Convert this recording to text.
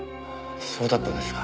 そうだったんですか。